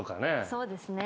そうですね。